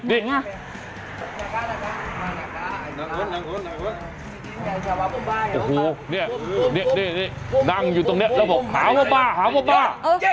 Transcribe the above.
โอ้โหเนี่ยนี่นั่งอยู่ตรงนี้แล้วบอกหาว่าบ้าหาว่าบ้า